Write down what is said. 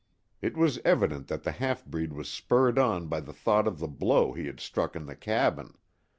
It was evident that the half breed was spurred on by the thought of the blow he had struck in the cabin.